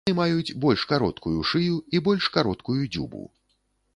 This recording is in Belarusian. Яны маюць больш кароткую шыю і больш кароткую дзюбу.